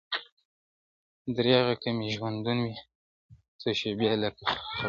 درېغه که مي ژوندون وي څو شېبې لکه حُباب-